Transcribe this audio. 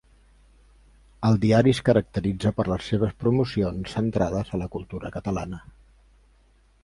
El diari es caracteritza per les seves promocions centrades a la cultura catalana.